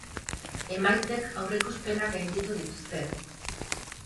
Emaitzek aurreikuspenak gainditu dituzte.